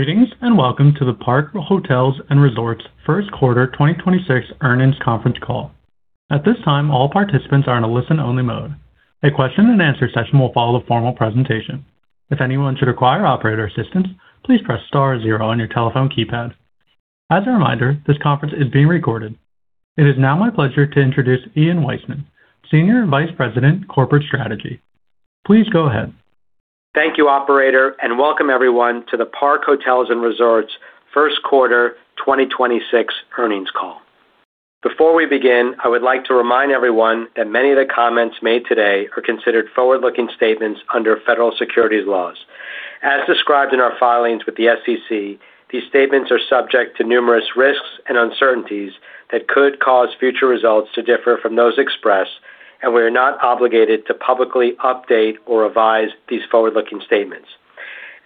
Greetings, and welcome to The Park Hotels & Resorts first quarter 2026 earnings conference call. It is now my pleasure to introduce Ian Weissman, Senior Vice President, Corporate Strategy. Please go ahead. Thank you, operator, and welcome everyone to the Park Hotels & Resorts first quarter 2026 earnings call. Before we begin, I would like to remind everyone that many of the comments made today are considered forward-looking statements under federal securities laws. As described in our filings with the SEC, these statements are subject to numerous risks and uncertainties that could cause future results to differ from those expressed, and we are not obligated to publicly update or revise these forward-looking statements.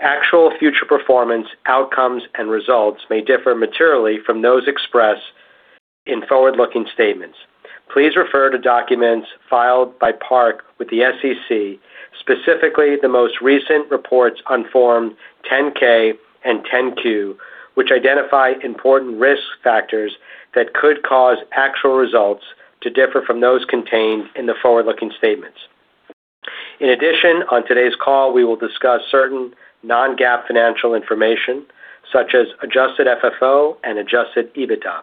Actual future performance, outcomes, and results may differ materially from those expressed in forward-looking statements. Please refer to documents filed by Park with the SEC, specifically the most recent reports on Form 10-K and 10-Q, which identify important risk factors that could cause actual results to differ from those contained in the forward-looking statements. In addition, on today's call, we will discuss certain non-GAAP financial information such as adjusted FFO and adjusted EBITDA.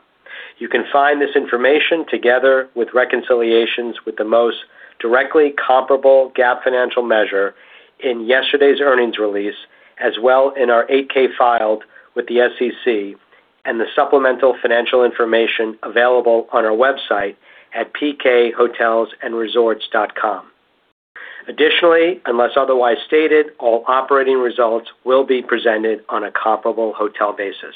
You can find this information together with reconciliations with the most directly comparable GAAP financial measure in yesterday's earnings release, as well in our Form 8-K filed with the SEC and the supplemental financial information available on our website at pkhotelsandresorts.com. Unless otherwise stated, all operating results will be presented on a comparable hotel basis.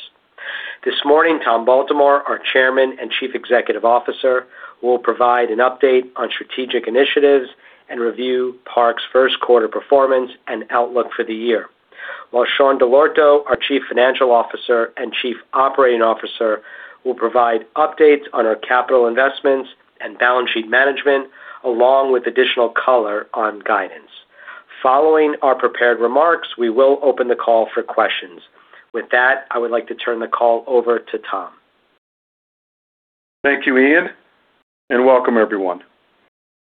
This morning, Tom Baltimore, our Chairman and Chief Executive Officer, will provide an update on strategic initiatives and review Park's first quarter performance and outlook for the year. While Sean Dell'Orto, our Chief Financial Officer and Chief Operating Officer, will provide updates on our capital investments and balance sheet management, along with additional color on guidance. Following our prepared remarks, we will open the call for questions. With that, I would like to turn the call over to Tom. Thank you, Ian, and welcome everyone.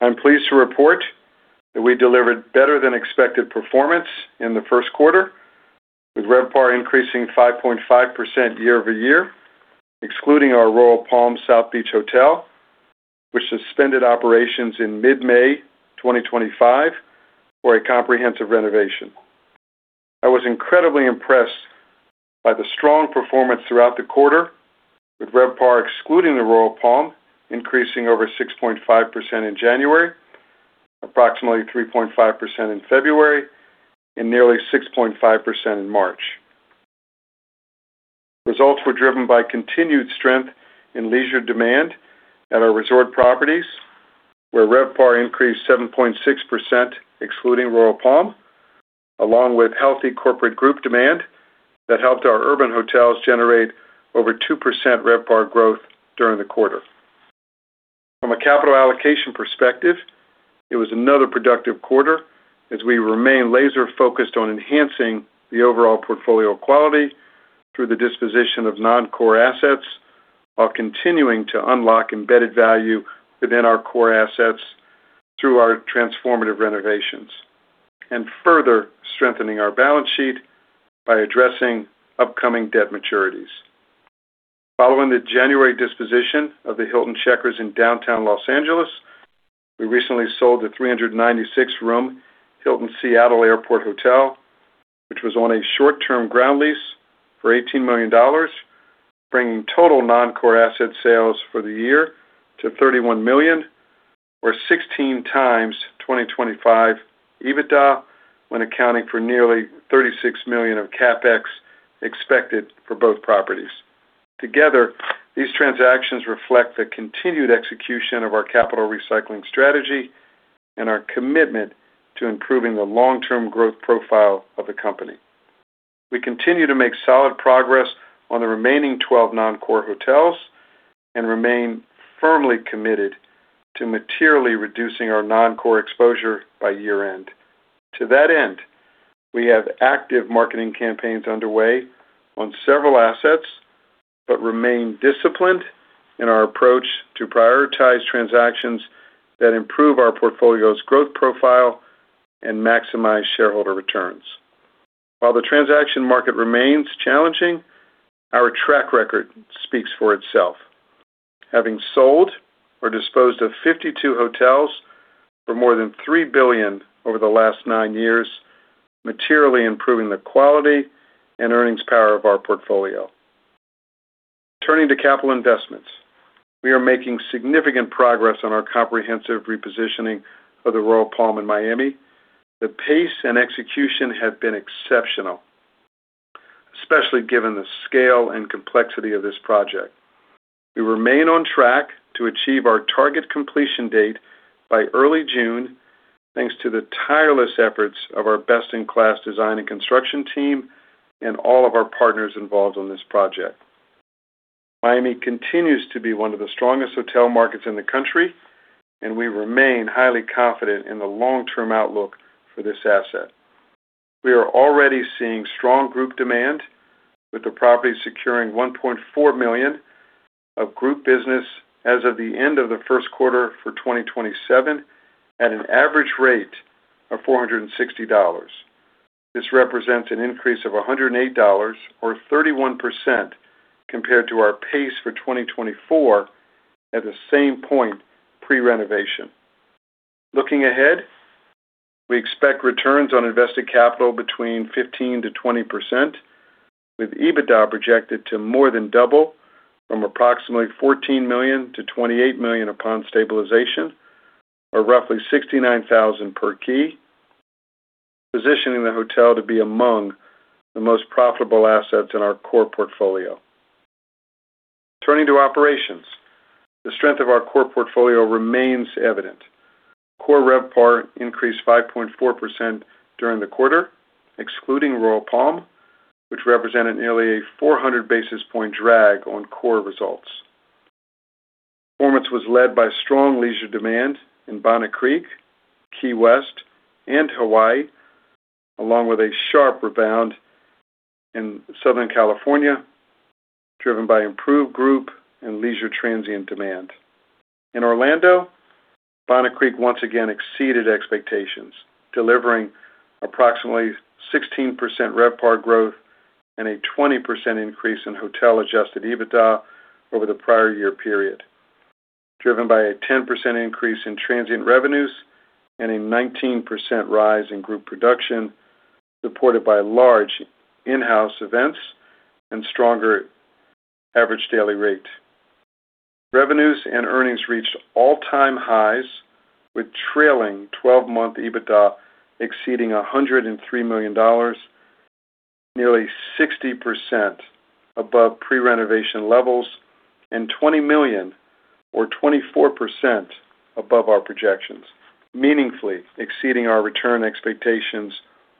I'm pleased to report that we delivered better than expected performance in the first quarter, with RevPAR increasing 5.5% year-over-year, excluding our Royal Palm South Beach Hotel, which suspended operations in mid-May 2025 for a comprehensive renovation. I was incredibly impressed by the strong performance throughout the quarter, with RevPAR excluding the Royal Palm, increasing over 6.5% in January, approximately 3.5% in February, and nearly 6.5% in March. Results were driven by continued strength in leisure demand at our resort properties, where RevPAR increased 7.6% excluding Royal Palm, along with healthy corporate group demand that helped our urban hotels generate over 2% RevPAR growth during the quarter. From a capital allocation perspective, it was another productive quarter as we remain laser-focused on enhancing the overall portfolio quality through the disposition of non-core assets while continuing to unlock embedded value within our core assets through our transformative renovations, and further strengthening our balance sheet by addressing upcoming debt maturities. Following the January disposition of the Hilton Checkers in downtown L.A., we recently sold the 396-room Hilton Seattle Airport Hotel, which was on a short-term ground lease for $18 million, bringing total non-core asset sales for the year to $31 million or 16x 2025 EBITDA when accounting for nearly $36 million of CapEx expected for both properties. Together, these transactions reflect the continued execution of our capital recycling strategy and our commitment to improving the long-term growth profile of the company. We continue to make solid progress on the remaining 12 non-core hotels and remain firmly committed to materially reducing our non-core exposure by year-end. To that end, we have active marketing campaigns underway on several assets but remain disciplined in our approach to prioritize transactions that improve our portfolio's growth profile and maximize shareholder returns. While the transaction market remains challenging, our track record speaks for itself. Having sold or disposed of 52 hotels for more than $3 billion over the last nine years, materially improving the quality and earnings power of our portfolio. Turning to capital investments, we are making significant progress on our comprehensive repositioning of the Royal Palm South Beach. The pace and execution have been exceptional, especially given the scale and complexity of this project. We remain on track to achieve our target completion date by early June, thanks to the tireless efforts of our best-in-class design and construction team and all of our partners involved on this project. Miami continues to be one of the strongest hotel markets in the country, and we remain highly confident in the long-term outlook for this asset. We are already seeing strong group demand, with the property securing $1.4 million of group business as of the end of the first quarter for 2027 at an average rate of $460. This represents an increase of 108 or 31% compared to our pace for 2024 at the same point pre-renovation. Looking ahead, we expect returns on invested capital between 15%-20%, with EBITDA projected to more than double from approximately $14 million to $28 million upon stabilization, or roughly $69,000 per key, positioning the hotel to be among the most profitable assets in our core portfolio. Turning to operations, the strength of our core portfolio remains evident. Core RevPAR increased 5.4% during the quarter, excluding Royal Palm, which represented nearly a 400 basis point drag on core results. Performance was led by strong leisure demand in Bonnet Creek, Key West, and Hawaii, along with a sharp rebound in Southern California, driven by improved group and leisure transient demand. In Orlando, Bonnet Creek once again exceeded expectations, delivering approximately 16% RevPAR growth and a 20% increase in hotel adjusted EBITDA over the prior year period, driven by a 10% increase in transient revenues and a 19% rise in group production, supported by large in-house events and stronger average daily rate. Revenues and earnings reached all-time highs, with trailing 12-month EBITDA exceeding $103 million, nearly 60% above pre-renovation levels and $20 million or 24% above our projections, meaningfully exceeding our return expectations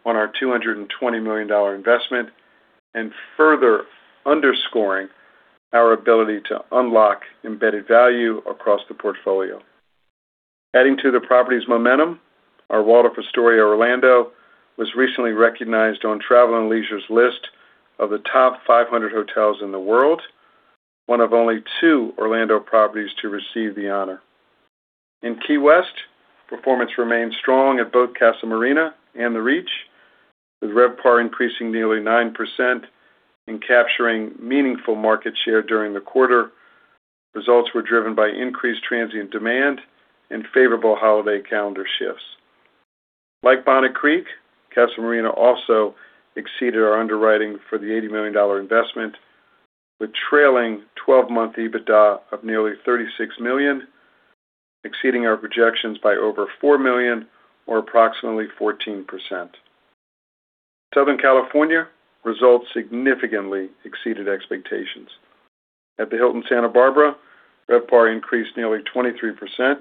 on our $220 million investment and further underscoring our ability to unlock embedded value across the portfolio. Adding to the property's momentum, our Waldorf Astoria Orlando was recently recognized on Travel + Leisure's list of the top 500 hotels in the world, one of only two Orlando properties to receive the honor. In Key West, performance remained strong at both Casa Marina and The Reach, with RevPAR increasing nearly 9% and capturing meaningful market share during the quarter. Results were driven by increased transient demand and favorable holiday calendar shifts. Like Bonnet Creek, Casa Marina also exceeded our underwriting for the $80 million investment, with trailing 12-month EBITDA of nearly $36 million, exceeding our projections by over $4 million or approximately 14%. Southern California results significantly exceeded expectations. At the Hilton Santa Barbara, RevPAR increased nearly 23%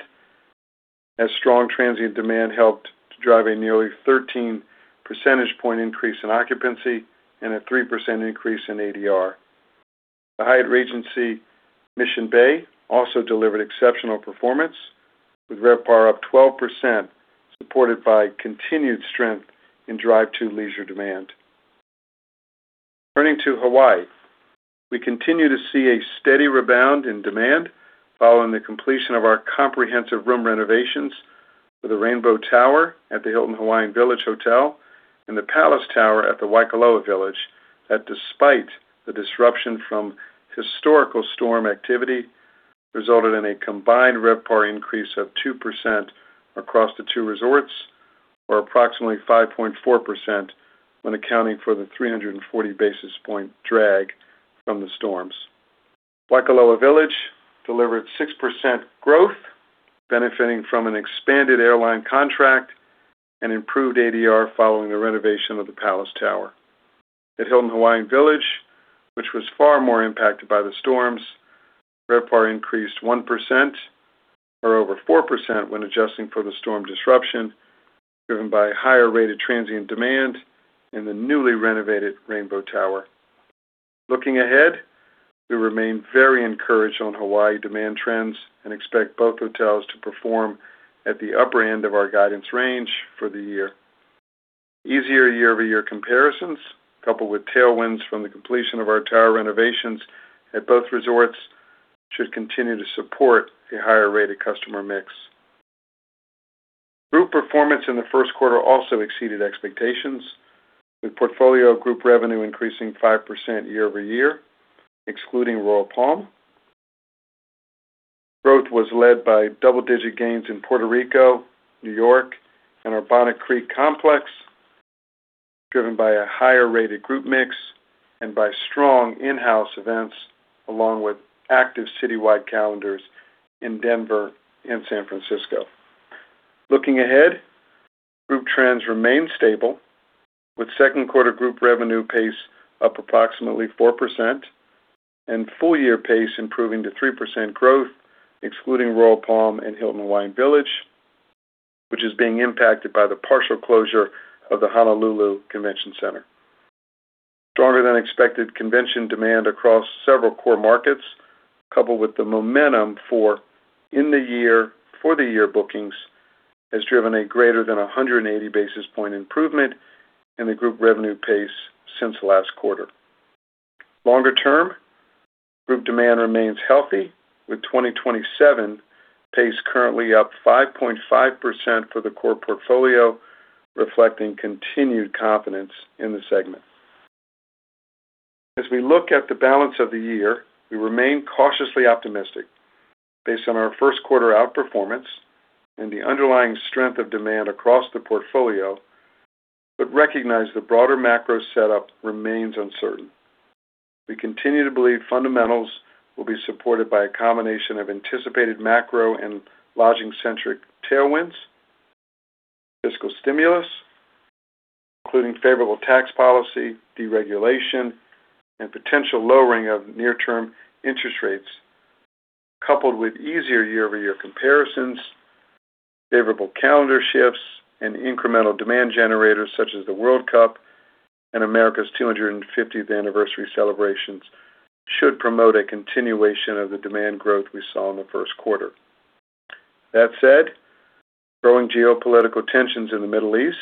as strong transient demand helped to drive a nearly 13 percentage point increase in occupancy and a 3% increase in ADR. The Hyatt Regency Mission Bay also delivered exceptional performance with RevPAR up 12%, supported by continued strength in drive to leisure demand. Turning to Hawaii, we continue to see a steady rebound in demand following the completion of our comprehensive room renovations for the Rainbow Tower at the Hilton Hawaiian Village Hotel and the Palace Tower at the Waikoloa Village that, despite the disruption from historical storm activity, resulted in a combined RevPAR increase of 2% across the two resorts, or approximately 5.4% when accounting for the 340 basis point drag from the storms. Waikoloa Village delivered 6% growth benefiting from an expanded airline contract and improved ADR following the renovation of the Palace Tower. At Hilton Hawaiian Village, which was far more impacted by the storms, RevPAR increased 1% or over 4% when adjusting for the storm disruption driven by higher rated transient demand in the newly renovated Rainbow Tower. Looking ahead, we remain very encouraged on Hawaii demand trends and expect both hotels to perform at the upper end of our guidance range for the year. Easier year-over-year comparisons, coupled with tailwinds from the completion of our tower renovations at both resorts, should continue to support a higher rate of customer mix. Group performance in the first quarter also exceeded expectations, with portfolio group revenue increasing 5% year-over-year, excluding Royal Palm. Growth was led by double-digit gains in Puerto Rico, New York, and our Bonnet Creek complex, driven by a higher-rated group mix and by strong in-house events along with active citywide calendars in Denver and San Francisco. Looking ahead, group trends remain stable, with second quarter group revenue pace up approximately 4% and full year pace improving to 3% growth, excluding Royal Palm and Hilton Hawaiian Village. Which is being impacted by the partial closure of the Honolulu Convention Center. Stronger than expected convention demand across several core markets, coupled with the momentum for in the year, for the year bookings, has driven a greater than 180 basis point improvement in the group revenue pace since last quarter. Longer term, group demand remains healthy, with 2027 pace currently up 5.5% for the core portfolio, reflecting continued confidence in the segment. As we look at the balance of the year, we remain cautiously optimistic based on our first quarter outperformance and the underlying strength of demand across the portfolio, but recognize the broader macro setup remains uncertain. We continue to believe fundamentals will be supported by a combination of anticipated macro and lodging centric tailwinds, fiscal stimulus, including favorable tax policy, deregulation, and potential lowering of near-term interest rates, coupled with easier year-over-year comparisons, favorable calendar shifts, and incremental demand generators such as the World Cup and America's 250th Anniversary Celebrations should promote a continuation of the demand growth we saw in the first quarter. Growing geopolitical tensions in the Middle East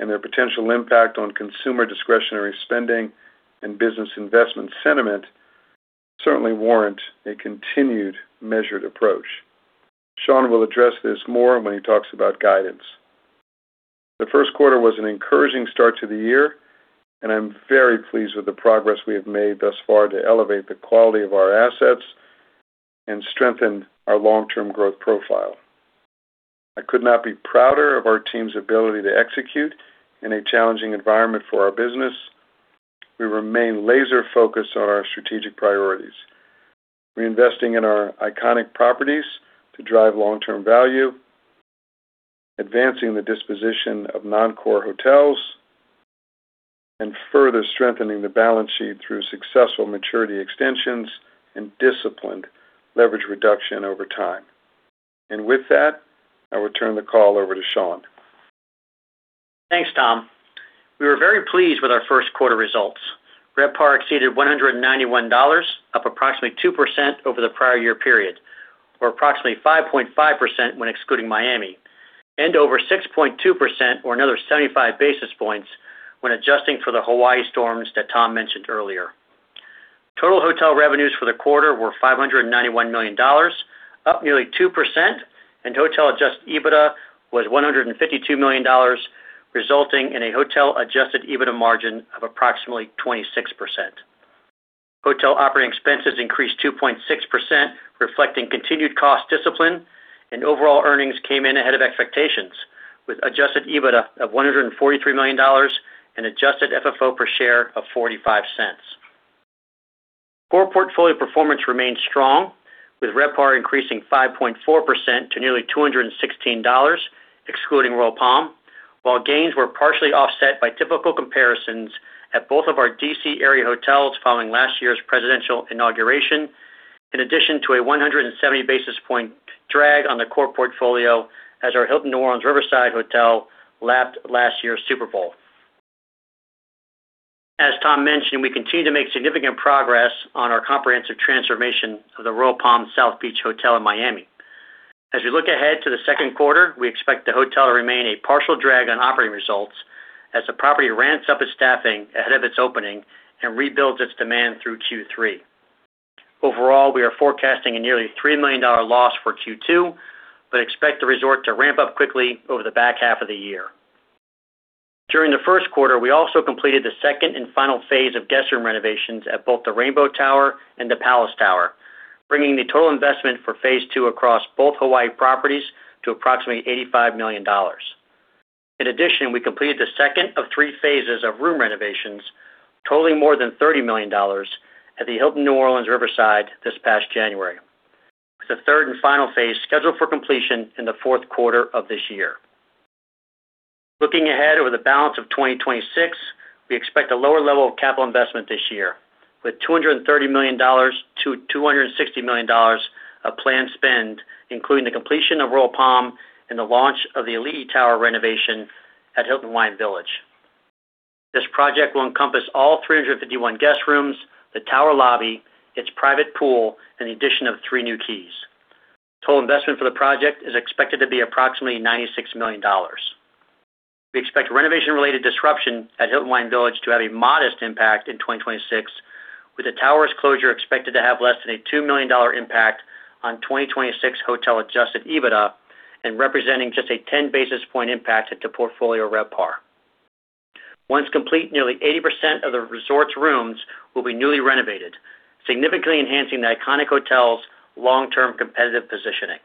and their potential impact on consumer discretionary spending and business investment sentiment certainly warrant a continued measured approach. Sean will address this more when he talks about guidance. The first quarter was an encouraging start to the year, and I'm very pleased with the progress we have made thus far to elevate the quality of our assets and strengthen our long-term growth profile. I could not be prouder of our team's ability to execute in a challenging environment for our business. We remain laser focused on our strategic priorities. We're investing in our iconic properties to drive long-term value, advancing the disposition of non-core hotels, and further strengthening the balance sheet through successful maturity extensions and disciplined leverage reduction over time. With that, I will turn the call over to Sean. Thanks, Tom. We were very pleased with our first quarter results. RevPAR exceeded $191, up approximately 2% over the prior year period, or approximately 5.5% when excluding Miami, and over 6.2% or another 75 basis points when adjusting for the Hawaii storms that Tom mentioned earlier. Total hotel revenues for the quarter were $591 million, up nearly 2%, and hotel adjusted EBITDA was $152 million, resulting in a hotel adjusted EBITDA margin of approximately 26%. Hotel operating expenses increased 2.6%, reflecting continued cost discipline and overall earnings came in ahead of expectations, with adjusted EBITDA of $143 million and adjusted FFO per share of $0.45. Core portfolio performance remained strong, with RevPAR increasing 5.4% to nearly $216, excluding Royal Palm, while gains were partially offset by typical comparisons at both of our D.C. area hotels following last year's presidential inauguration. In addition to a 170 basis point drag on the core portfolio as our Hilton New Orleans Riverside Hotel lapped last year's Super Bowl. As Tom mentioned, we continue to make significant progress on our comprehensive transformation of the Royal Palm South Beach Hotel in Miami. As we look ahead to the second quarter, we expect the hotel to remain a partial drag on operating results as the property ramps up its staffing ahead of its opening and rebuilds its demand through Q3. Overall, we are forecasting a nearly $3 million loss for Q2, but expect the resort to ramp up quickly over the back half of the year. During the first quarter, we also completed the second and final phase of guest room renovations at both the Rainbow Tower and the Palace Tower, bringing the total investment for phase two across both Hawaii properties to approximately $85 million. In addition, we completed the second of three phases of room renovations totaling more than $30 million at the Hilton New Orleans Riverside this past January, with the third and final phase scheduled for completion in the fourth quarter of this year. Looking ahead over the balance of 2026, we expect a lower level of capital investment this year, with $230 million-$260 million of planned spend, including the completion of Royal Palm and the launch of the Ali'i Tower renovation at Hilton Hawaiian Village. This project will encompass all 351 guest rooms, the tower lobby, its private pool, and the addition of three new keys. Total investment for the project is expected to be approximately $96 million. We expect renovation related disruption at Hilton Hawaiian Village to have a modest impact in 2026, with the tower's closure expected to have less than a $2 million impact on 2026 hotel adjusted EBITDA and representing just a 10 basis point impact to portfolio RevPAR. Once complete, nearly 80% of the resort's rooms will be newly renovated, significantly enhancing the iconic hotel's long-term competitive positioning.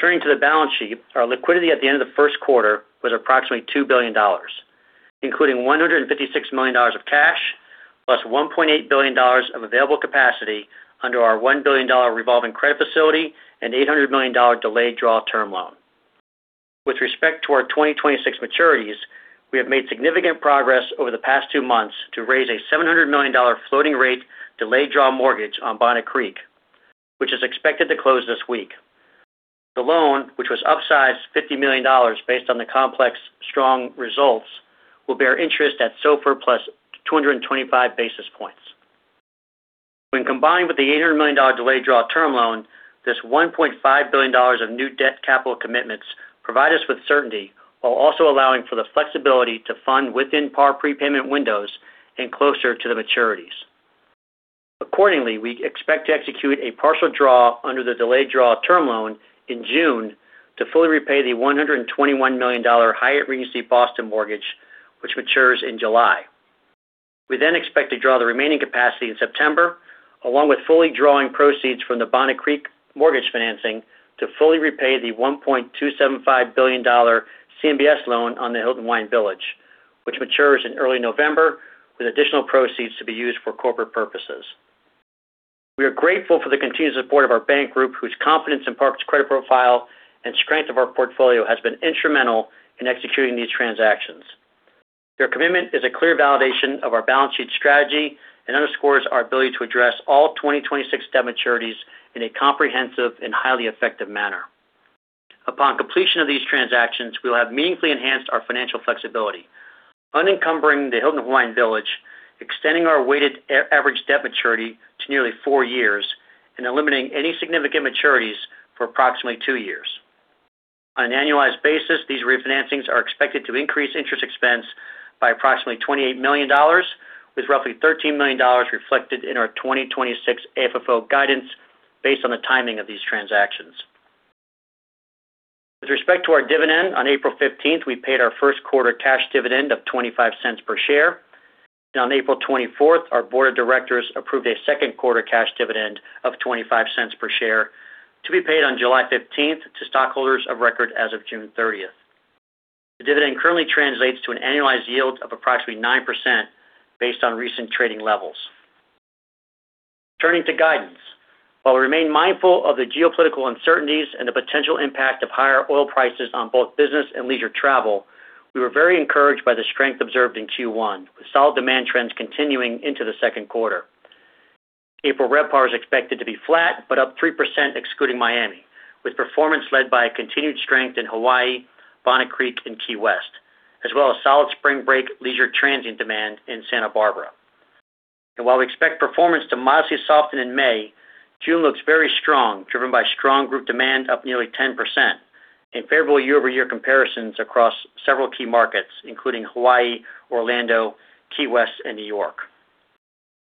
Turning to the balance sheet, our liquidity at the end of the first quarter was approximately $2 billion, including $156 million of cash, plus $1.8 billion of available capacity under our $1 billion revolving credit facility and $800 million delayed draw term loan. With respect to our 2026 maturities, we have made significant progress over the past two months to raise a $700 million floating rate delayed draw mortgage on Bonnet Creek, which is expected to close this week. The loan, which was upsized $50 million based on the complex strong results, will bear interest at SOFR plus 225 basis points. When combined with the $800 million delayed draw term loan, this $1.5 billion of new debt capital commitments provide us with certainty while also allowing for the flexibility to fund within par prepayment windows and closer to the maturities. Accordingly, we expect to execute a partial draw under the delayed draw term loan in June to fully repay the $121 million Hyatt Regency Boston mortgage, which matures in July. We expect to draw the remaining capacity in September, along with fully drawing proceeds from the Bonnet Creek mortgage financing to fully repay the $1.275 billion CMBS loan on the Hilton Hawaiian Village, which matures in early November, with additional proceeds to be used for corporate purposes. We are grateful for the continued support of our bank group, whose confidence in Park's credit profile and strength of our portfolio has been instrumental in executing these transactions. Their commitment is a clear validation of our balance sheet strategy and underscores our ability to address all 2026 debt maturities in a comprehensive and highly effective manner. Upon completion of these transactions, we will have meaningfully enhanced our financial flexibility, unencumbering the Hilton Hawaiian Village, extending our weighted average debt maturity to nearly four years, and eliminating any significant maturities for approximately two years. On an annualized basis, these refinancings are expected to increase interest expense by approximately $28 million, with roughly $13 million reflected in our 2026 AFFO guidance based on the timing of these transactions. With respect to our dividend, on April 15th, we paid our first quarter cash dividend of $0.25 per share. On April 24th, our board of directors approved a second quarter cash dividend of $0.25 per share to be paid on July 15th to stockholders of record as of June 30th. The dividend currently translates to an annualized yield of approximately 9% based on recent trading levels. Turning to guidance. While we remain mindful of the geopolitical uncertainties and the potential impact of higher oil prices on both business and leisure travel, we were very encouraged by the strength observed in Q1, with solid demand trends continuing into the second quarter. April RevPAR is expected to be flat, but up 3% excluding Miami, with performance led by a continued strength in Hawaii, Bonnet Creek, and Key West, as well as solid spring break leisure transient demand in Santa Barbara. While we expect performance to modestly soften in May, June looks very strong, driven by strong group demand up nearly 10% and favorable year-over-year comparisons across several key markets, including Hawaii, Orlando, Key West, and New York.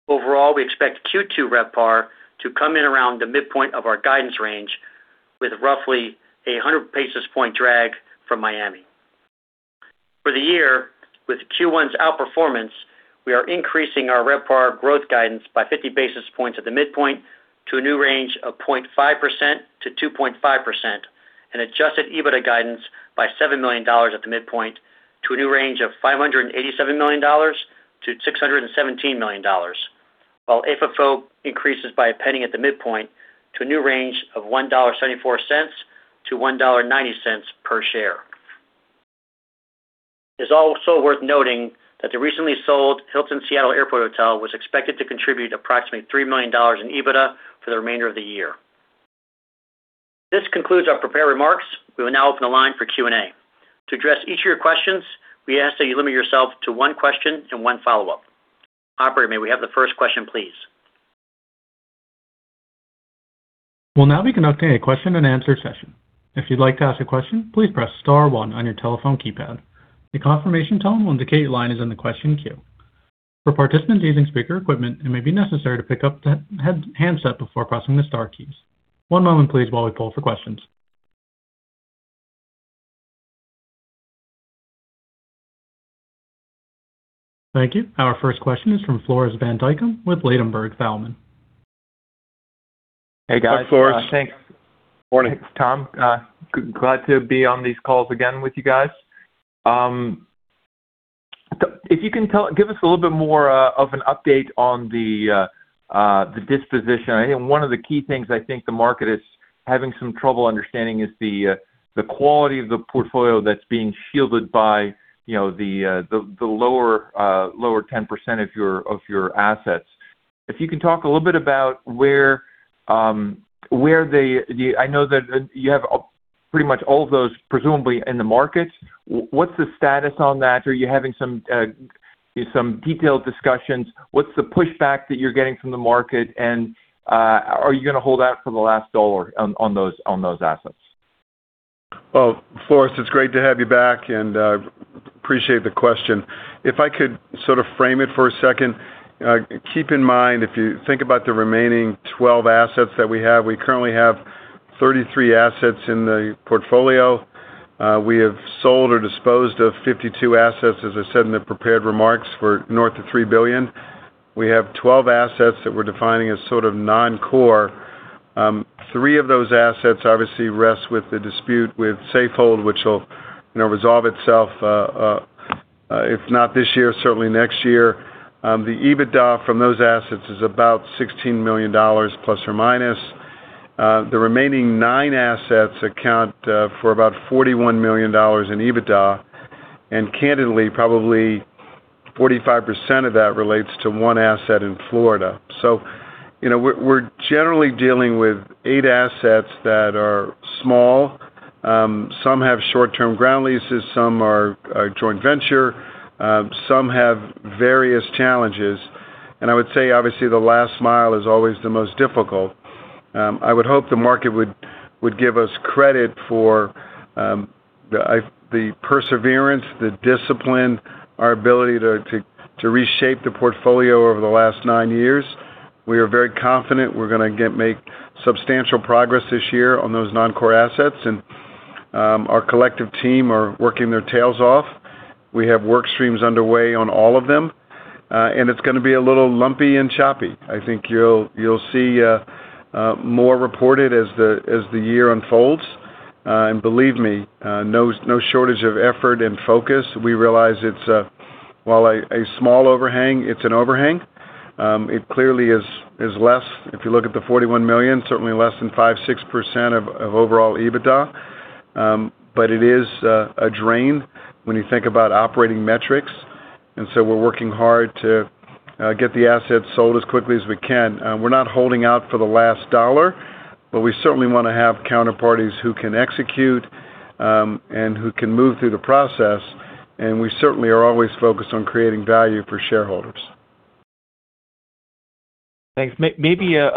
Overall, we expect Q2 RevPAR to come in around the midpoint of our guidance range with roughly a 100 basis point drag from Miami. For the year, with Q1's outperformance, we are increasing our RevPAR growth guidance by 50 basis points at the midpoint to a new range of 0.5%-2.5%, and adjusted EBITDA guidance by $7 million at the midpoint to a new range of $587 million-$617 million, while AFFO increases by $0.01 at the midpoint to a new range of $1.74-$1.90 per share. It's also worth noting that the recently sold Hilton Seattle Airport Hotel was expected to contribute approximately $3 million in EBITDA for the remainder of the year. This concludes our prepared remarks. We will now open the line for Q&A. To address each of your questions, we ask that you limit yourself to one question and one follow-up. Operator, may we have the first question, please? We'll now be conducting a question and answer session. If you'd like to ask a question, please press star one on your telephone keypad. A confirmation tone will indicate your line is in the question queue. For participants using speaker equipment, it may be necessary to pick up the handset before pressing the star keys. One moment please while we poll for questions. Thank you. Our first question is from Floris van Dijkum with Ladenburg Thalmann. Hey, guys. Hi, Floris. Thanks. Morning. It's Tom. Glad to be on these calls again with you guys. If you can give us a little bit more of an update on the disposition. I think one of the key things I think the market is having some trouble understanding is the quality of the portfolio that's being shielded by, you know, the lower 10% of your assets. If you can talk a little bit about where I know that you have pretty much all of those presumably in the market. What's the status on that? Are you having some detailed discussions? What's the pushback that you're getting from the market? Are you going to hold out for the last dollar on those assets? Well, Floris, it's great to have you back, and appreciate the question. If I could sort of frame it for a second, keep in mind, if you think about the remaining 12 assets that we have, we currently have 33 assets in the portfolio. We have sold or disposed of 52 assets, as I said in the prepared remarks, for north of $3 billion. We have 12 assets that we're defining as sort of non-core. Three of those assets obviously rest with the dispute with Safehold, which will, you know, resolve itself. If not this year, certainly next year. The EBITDA from those assets is about $16 million plus or minus. The remaining nine assets account for about $41 million in EBITDA, and candidly, probably 45% of that relates to one asset in Florida. You know, we're generally dealing with eight assets that are small. Some have short-term ground leases, some are a joint venture. Some have various challenges. I would say, obviously, the last mile is always the most difficult. I would hope the market would give us credit for the perseverance, the discipline, our ability to reshape the portfolio over the last nine years. We are very confident we're going to make substantial progress this year on those non-core assets, and our collective team are working their tails off. We have work streams underway on all of them, and it's going to be a little lumpy and choppy. I think you'll see more reported as the year unfolds. Believe me, no shortage of effort and focus. We realize it's, while a small overhang, it's an overhang. It clearly is less, if you look at the $41 million, certainly less than 5%-6% of overall EBITDA. It is a drain when you think about operating metrics. We're working hard to get the assets sold as quickly as we can. We're not holding out for the last dollar, but we certainly want to have counterparties who can execute, and who can move through the process, and we certainly are always focused on creating value for shareholders. Thanks. Maybe a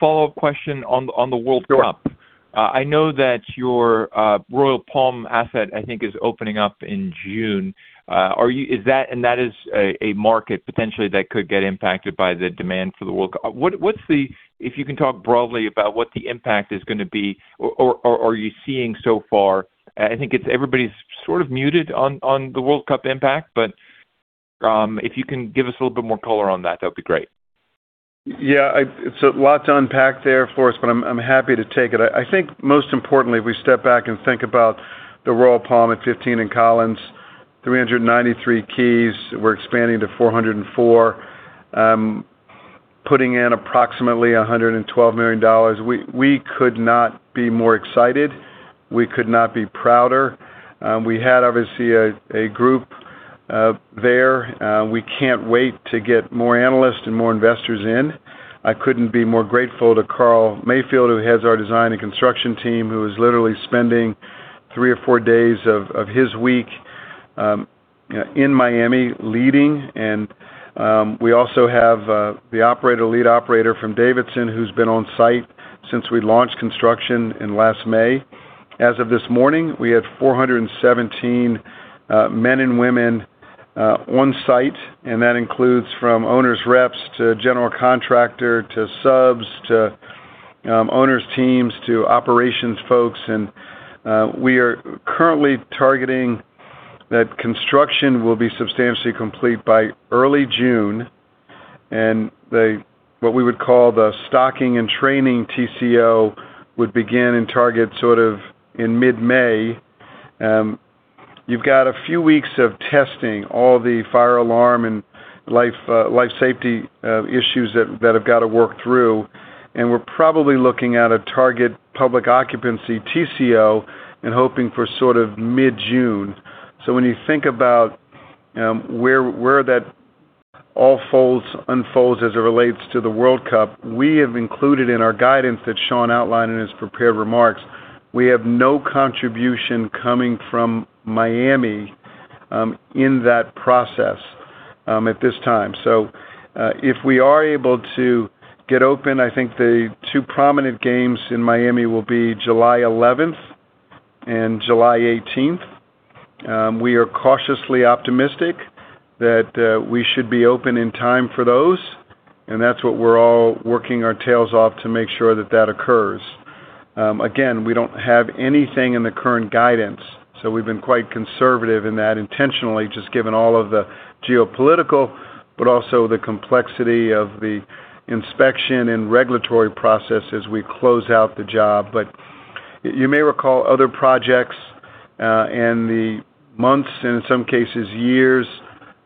follow-up question on the World Cup. Sure. I know that your Royal Palm asset, I think, is opening up in June. That is a market potentially that could get impacted by the demand for the World Cup. What's the impact if you can talk broadly about what the impact is going to be or are you seeing so far? Everybody's sort of muted on the World Cup impact. If you can give us a little bit more color on that would be great. It's a lot to unpack there for us, but I'm happy to take it. I think most importantly, if we step back and think about the Royal Palm at 15 and Collins, 393 keys, we're expanding to 404 keys, putting in approximately $112 million. We could not be more excited. We could not be prouder. We had, obviously, a group there. We can't wait to get more analysts and more investors in. I couldn't be more grateful to Carl Mayfield, who heads our design and construction team, who is literally spending three or four days of his week in Miami leading. We also have the operator, lead operator from Davidson who's been on site since we launched construction in last May. As of this morning, we had 417 men and women on site, and that includes from owners' reps to general contractor to subs to owners' teams to operations folks. We are currently targeting that construction will be substantially complete by early June. What we would call the stocking and training TCO would begin in target sort of in mid-May. You've got a few weeks of testing all the fire alarm and life life safety issues that have got to work through. We're probably looking at a target public occupancy TCO and hoping for sort of mid-June. When you think about where that all unfolds as it relates to the World Cup, we have included in our guidance that Sean outlined in his prepared remarks, we have no contribution coming from Miami in that process at this time. If we are able to get open, I think the two prominent games in Miami will be July 11th and July 18th. We are cautiously optimistic that we should be open in time for those, and that's what we're all working our tails off to make sure that that occurs. Again, we don't have anything in the current guidance, so we've been quite conservative in that intentionally, just given all of the geopolitical, but also the complexity of the inspection and regulatory process as we close out the job. You may recall other projects, and the months, in some cases, years.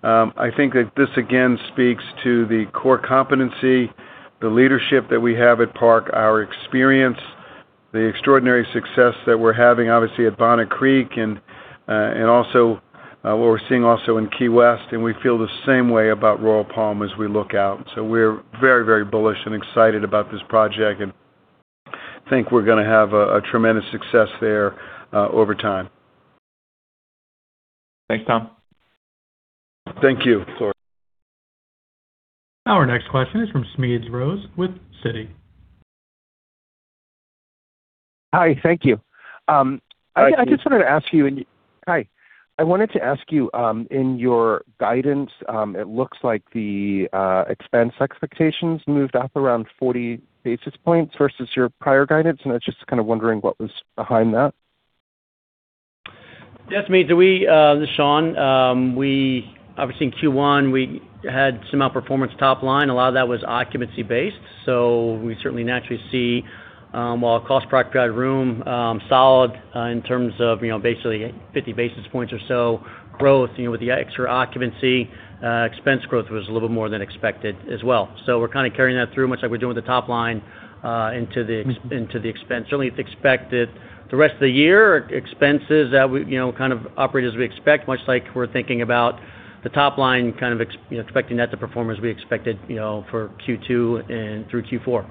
I think that this again speaks to the core competency, the leadership that we have at Park, our experience, the extraordinary success that we're having, obviously, at Bonnet Creek and also what we're seeing also in Key West, and we feel the same way about Royal Palm as we look out. We're very, very bullish and excited about this project and think we're going to have a tremendous success there over time. Thanks, Tom. Thank you. Sorry. Our next question is from Smedes Rose with Citi. Hi, thank you. Hi, Smedes. Hi. I wanted to ask you, in your guidance, it looks like the expense expectations moved up around 40 basis points versus your prior guidance, and I was just kind of wondering what was behind that. Yes, Smedes. We, this is Sean. Obviously, in Q1, we had some outperformance top line, a lot of that was occupancy based. We certainly naturally see, while cost per occupied room, solid, in terms of, you know, basically 50 basis points or so growth, you know, with the extra occupancy, expense growth was a little more than expected as well. We're kind of carrying that through much like we're doing with the top line, into the expense. Certainly, it's expected the rest of the year, expenses that we, you know, kind of operate as we expect, much like we're thinking about the top line kind of, you know, expecting that to perform as we expected, you know, for Q2 and through Q4.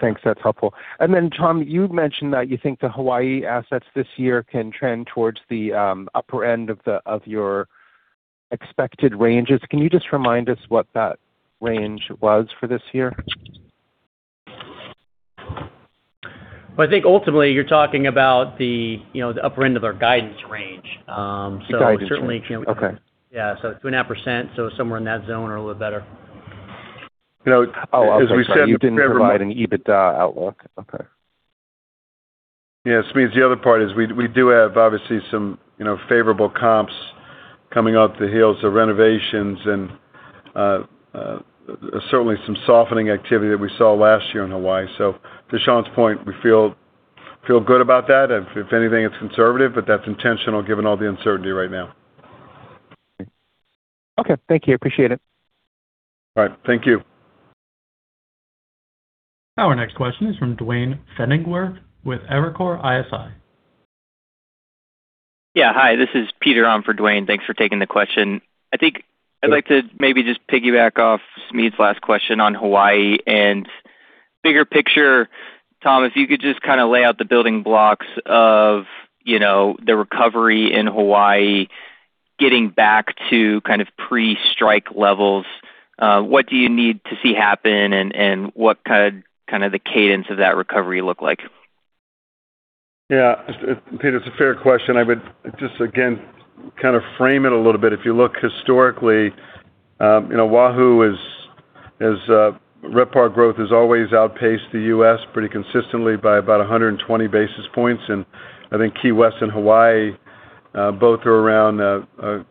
Thanks. That's helpful. Tom, you've mentioned that you think the Hawaii assets this year can trend towards the upper end of your expected ranges. Can you just remind us what that range was for this year? Well, I think ultimately, you're talking about the, you know, the upper end of our guidance range. The guidance range. Okay. Yeah. 2.5%, somewhere in that zone or a little better. You know, as we said, the favorable- Oh, okay. Sorry. You didn't provide an EBITDA outlook. Okay. Yeah. Smedes, the other part is we do have obviously some, you know, favorable comps coming off the heels of renovations and certainly some softening activity that we saw last year in Hawaii. To Sean’s point, we feel good about that. If anything, it’s conservative, but that’s intentional given all the uncertainty right now. Okay. Thank you. Appreciate it. All right. Thank you. Our next question is from Duane Pfennigwerth with Evercore ISI. Yeah. Hi, this is Peter on for Duane. Thanks for taking the question. I think I'd like to maybe just piggyback off Smedes' last question on Hawaii and bigger picture, Tom, if you could just kind of lay out the building blocks of, you know, the recovery in Hawaii getting back to kind of pre-strike levels, what do you need to see happen, and what could kind of the cadence of that recovery look like? Yeah. Peter, it's a fair question. I would just again, kind of frame it a little bit. If you look historically, you know, Oahu is RevPAR growth has always outpaced the U.S. pretty consistently by about 120 basis points. I think Key West and Hawaii both are around a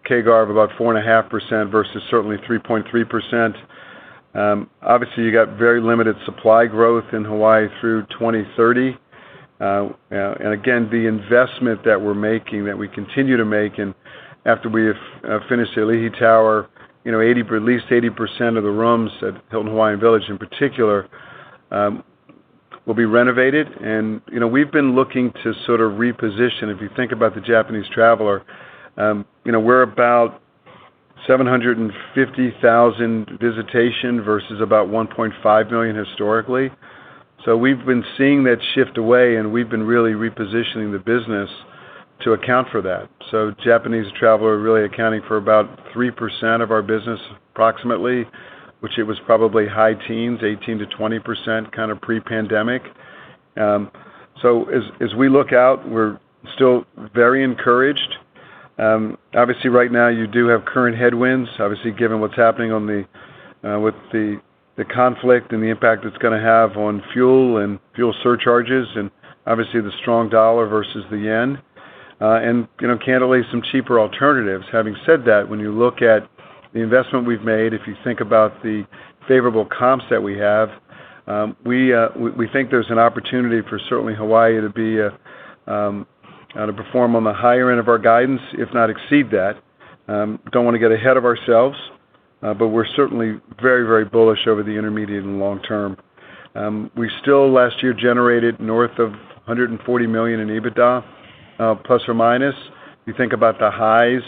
CAGR of about 4.5% versus certainly 3.3%. Obviously, you got very limited supply growth in Hawaii through 2030. Again, the investment that we're making, that we continue to make and after we have finished the Ali'i Tower, you know, at least 80% of the rooms at Hilton Hawaiian Village in particular will be renovated. You know, we've been looking to sort of reposition. If you think about the Japanese traveler, you know, we're about 750,000 visitation versus about 1.5 million historically. We've been seeing that shift away, and we've been really repositioning the business to account for that. Japanese traveler really accounting for about 3% of our business, approximately, which it was probably high teens, 18%-20%, kind of pre-pandemic. As we look out, we're still very encouraged. Obviously right now, you do have current headwinds, obviously, given what's happening on the with the conflict and the impact it's going to have on fuel and fuel surcharges and obviously the strong dollar versus the yen, and, you know, candidly some cheaper alternatives. Having said that, when you look at the investment we've made, if you think about the favorable comps that we have, we think there's an opportunity for certainly Hawaii to be a to perform on the higher end of our guidance, if not exceed that. Don't want to get ahead of ourselves, we're certainly very, very bullish over the intermediate and long term. We still last year generated north of $140 million in EBITDA plus or minus. You think about the highs,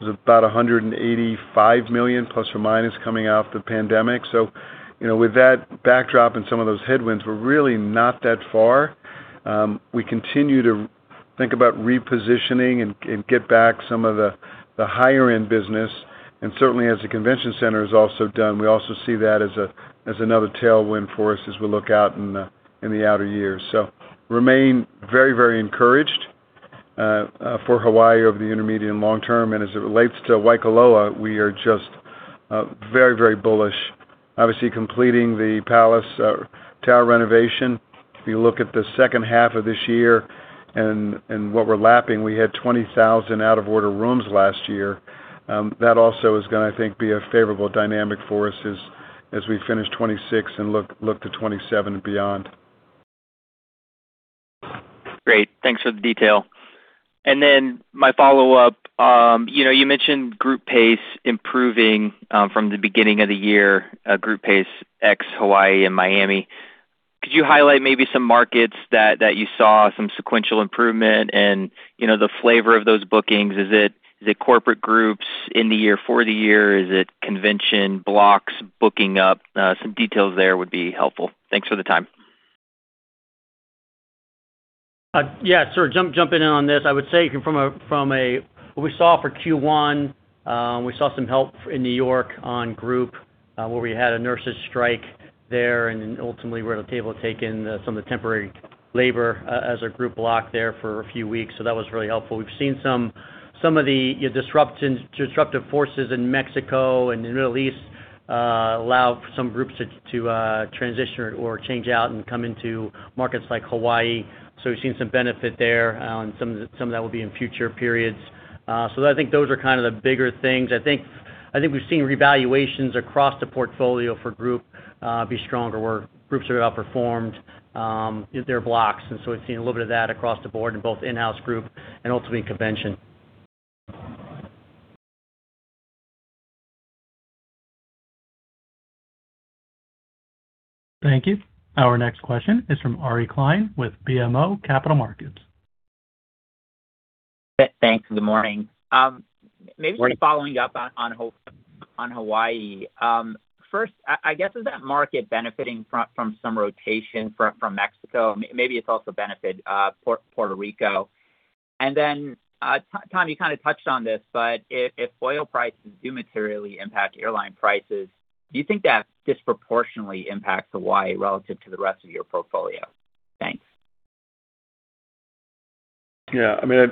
it was about $185 million± coming out the pandemic. You know, with that backdrop and some of those headwinds, we're really not that far. We continue to think about repositioning and get back some of the higher end business. Certainly as the convention center is also done, we also see that as another tailwind for us as we look out in the outer years. Remain very, very encouraged for Hawaii over the intermediate and long term. As it relates to Waikoloa, we are just very, very bullish. Obviously, completing the palace tower renovation. If you look at the second half of this year and what we're lapping, we had 20,000 out of order rooms last year. That also is going to, I think, be a favorable dynamic for us as we finish 2026 and look to 2027 and beyond. Great. Thanks for the detail. My follow-up, you know, you mentioned group pace improving from the beginning of the year, group pace ex Hawaii and Miami. Could you highlight maybe some markets that you saw some sequential improvement and, you know, the flavor of those bookings? Is it corporate groups in the year for the year? Is it convention blocks booking up? Some details there would be helpful. Thanks for the time. Sure. Jump in on this. I would say from what we saw for Q1, we saw some help in New York on group, where we had a nurses strike there, and then ultimately we're able to take in some of the temporary labor as a group block there for a few weeks. That was really helpful. We've seen some of the, you know, disruptive forces in Mexico and the Middle East, allow some groups to transition or change out and come into markets like Hawaii. We've seen some benefit there, and some of that will be in future periods. I think those are kind of the bigger things. I think we've seen revaluations across the portfolio for group be stronger, where groups have outperformed their blocks. We've seen a little bit of that across the board in both in-house group and ultimately convention. Thank you. Our next question is from Ari Klein with BMO Capital Markets. Thanks, good morning. Maybe following up on Hawaii. First, I guess, is that market benefiting from some rotation from Mexico? Maybe it's also benefit Puerto Rico. Then, Tom, you kind of touched on this, but if oil prices do materially impact airline prices, do you think that disproportionately impacts Hawaii relative to the rest of your portfolio? Thanks. Yeah. I mean,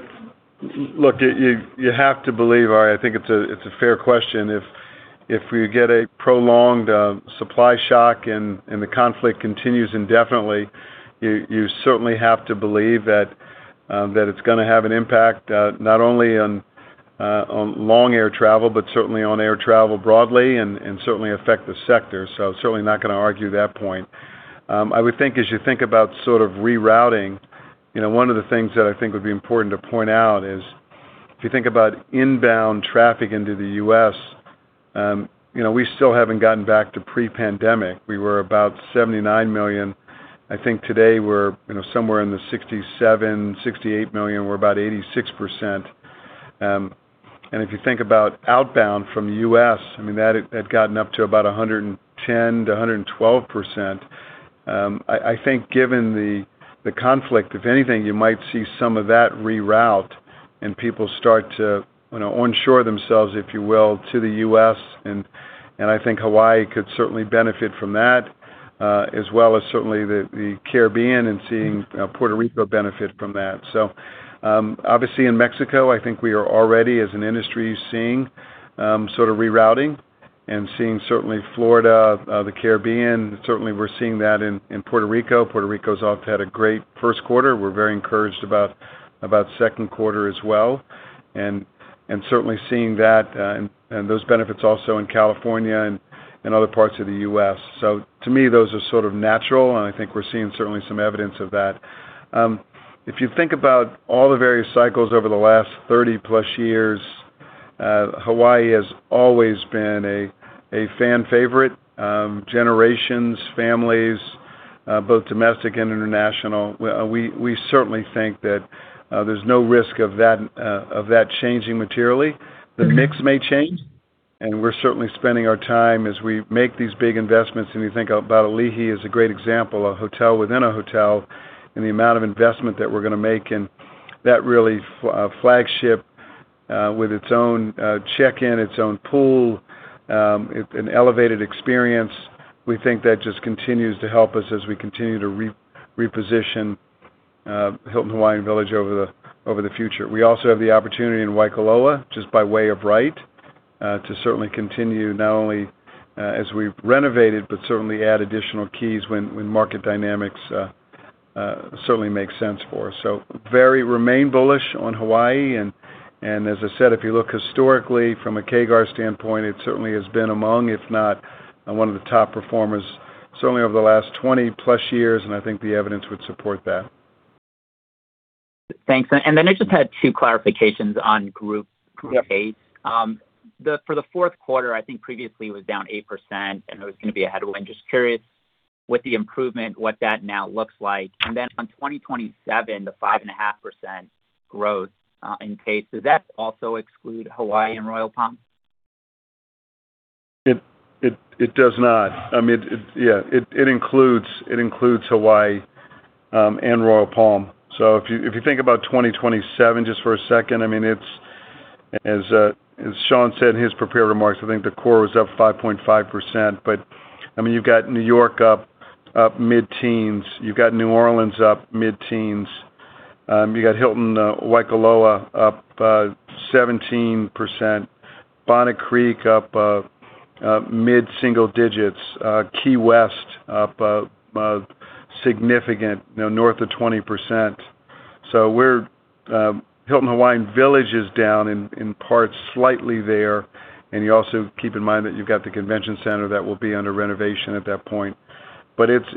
look, you have to believe, Ari, I think it's a fair question. If we get a prolonged supply shock and the conflict continues indefinitely, you certainly have to believe that it's going to have an impact not only on long air travel, but certainly on air travel broadly and certainly affect the sector. Certainly not going to argue that point. I would think as you think about sort of rerouting, you know, one of the things that I think would be important to point out is, if you think about inbound traffic into the U.S., you know, we still haven't gotten back to pre-pandemic. We were about $79 million. I think today we're, you know, somewhere in the $67 million, $68 million. We're about 86%. If you think about outbound from the U.S., I mean, that had gotten up to about 110% to 112%. I think given the conflict, if anything, you might see some of that reroute and people start to, you know, onshore themselves, if you will, to the U.S. I think Hawaii could certainly benefit from that, as well as certainly the Caribbean and seeing Puerto Rico benefit from that. Obviously in Mexico, I think we are already as an industry seeing sort of rerouting and seeing certainly Florida, the Caribbean. Certainly, we're seeing that in Puerto Rico. Puerto Rico's off to had a great first quarter. We're very encouraged about second quarter as well, and certainly seeing that, and those benefits also in California and other parts of the U.S. To me, those are sort of natural, and I think we're seeing certainly some evidence of that. If you think about all the various cycles over the last 30+ years, Hawaii has always been a fan favorite, generations, families, both domestic and international. We certainly think that there's no risk of that changing materially. The mix may change, and we're certainly spending our time as we make these big investments, and we think about Ali'i as a great example, a hotel within a hotel and the amount of investment that we're going to make. That really flagship, with its own, check-in, its own pool, it's an elevated experience. We think that just continues to help us as we continue to reposition Hilton Hawaiian Village over the future. We also have the opportunity in Waikoloa, just by way of right, to certainly continue not only, as we've renovated, but certainly add additional keys when market dynamics certainly make sense for us. Very remain bullish on Hawaii. As I said, if you look historically from a CAGR standpoint, it certainly has been among, if not one of the top performers certainly over the last 20+ years, and I think the evidence would support that. Thanks. I just had two clarifications on group pace. For the fourth quarter, I think previously it was down 8%, and it was going to be a headwind. Just curious, with the improvement, what that now looks like. On 2027, the 5.5% growth in pace. Does that also exclude Hawaii and Royal Palm? It does not. I mean, it includes Hawaii and Royal Palm. If you think about 2027 just for a second, I mean, it's as Sean said in his prepared remarks, I think the core was up 5.5%. I mean, you've got New York up mid-teens. You've got New Orleans up mid-teens. You got Hilton Waikoloa up 17%. Bonnet Creek up mid-single digits. Key West up significant, you know, north of 20%. We're Hilton Hawaiian Village is down in parts slightly there. You also keep in mind that you've got the convention center that will be under renovation at that point.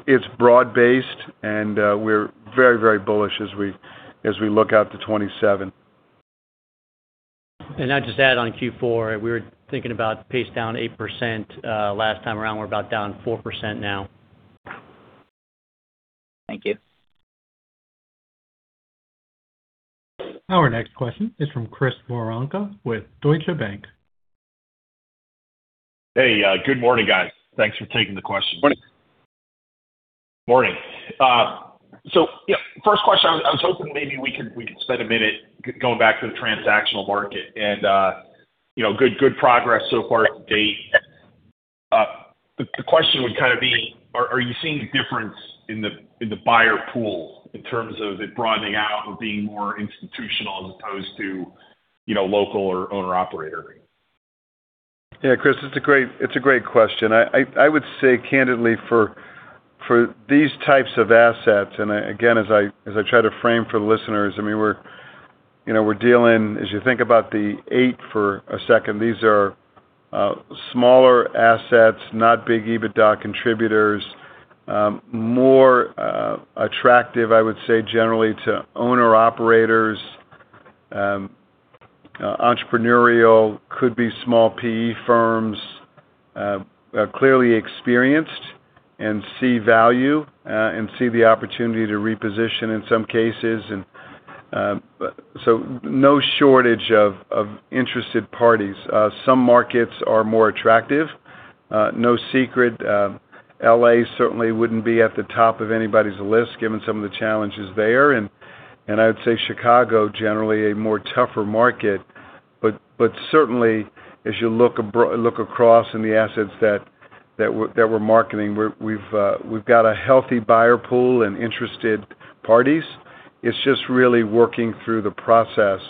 It's broad-based, and we're very, very bullish as we look out to 2027. I'd just add on Q4, we were thinking about pace down 8% last time around. We're about down 4% now. Thank you. Our next question is from Chris Woronka with Deutsche Bank. Hey, good morning, guys. Thanks for taking the question. Morning. Morning. Yeah, first question, I was hoping maybe we could spend a minute going back to the transactional market and, you know, good progress so far to date. The question would kind of be, are you seeing a difference in the buyer pool in terms of it broadening out or being more institutional as opposed to, you know, local or owner operator? Yeah, Chris, it's a great question. I would say candidly for these types of assets, again, as I try to frame for the listeners, I mean, we're, you know, we're dealing. As you think about the eight for a second, these are smaller assets, not big EBITDA contributors. More attractive, I would say, generally to owner-operators. Entrepreneurial, could be small PE firms. Clearly experienced and see value and see the opportunity to reposition in some cases. No shortage of interested parties. Some markets are more attractive. No secret, L.A. certainly wouldn't be at the top of anybody's list given some of the challenges there. I would say Chicago generally a more tougher market. Certainly as you look across in the assets that we're, that we're marketing, we're, we've got a healthy buyer pool and interested parties. It's just really working through the process,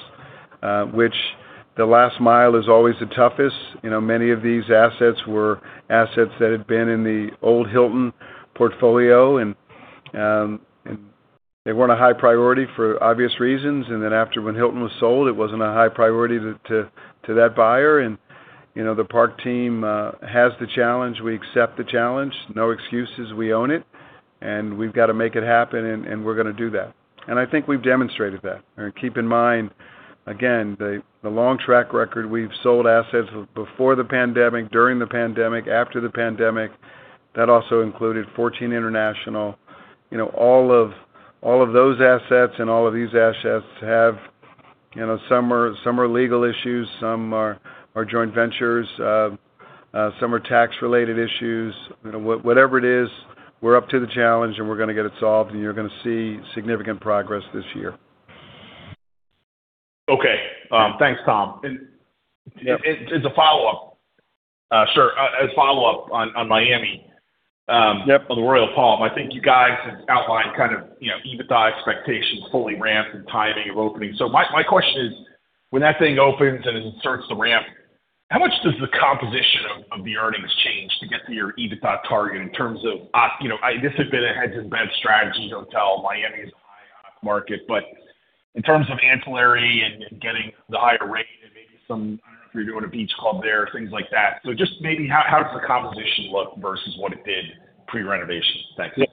which the last mile is always the toughest. You know, many of these assets were assets that had been in the old Hilton portfolio, and they weren't a high priority for obvious reasons. Then after when Hilton was sold, it wasn't a high priority to that buyer. You know, the Park team has the challenge. We accept the challenge. No excuses, we own it, and we've got to make it happen, and we're going to do that. I think we've demonstrated that. Keep in mind, again, the long track record, we've sold assets before the pandemic, during the pandemic, after the pandemic. That also included 14 international. You know, all of those assets and all of these assets have, you know, some are legal issues, some are joint ventures. Some are tax-related issues. You know, whatever it is, we're up to the challenge, and we're going to get it solved, and you're going to see significant progress this year. Okay. Thanks, Tom. Yeah. As a follow-up on Miami. Yep. On the Royal Palm, I think you guys have outlined kind of, you know, EBITDA expectations, fully ramped and timing of opening. My question is, when that thing opens and it starts to ramp, how much does the composition of the earnings change to get to your EBITDA target in terms of this had been a heads-in-bed strategy hotel. Miami is a high-oc market. In terms of ancillary and getting the higher rate and maybe some, I don't know if you're doing a beach club there, things like that. Just maybe how does the composition look versus what it did pre-renovation? Thanks. Yeah.